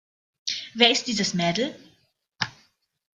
Wer ist dieses Mädel?